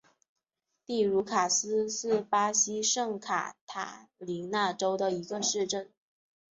蒂茹卡斯是巴西圣卡塔琳娜州的一个市镇。